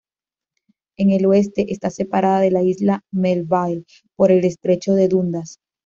En el oeste, está separada de la Isla Melville por el estrecho de Dundas.